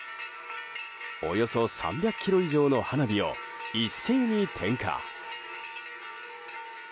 およそ３００ｋｇ以上の花火を一斉に点火。